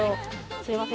すいません。